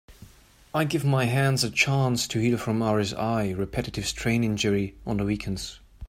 I give my hands a chance to heal from RSI (Repetitive Strain Injury) on the weekends.